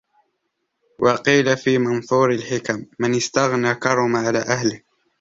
وَقِيلَ فِي مَنْثُورِ الْحِكَمِ مَنْ اسْتَغْنَى كَرُمَ عَلَى أَهْلِهِ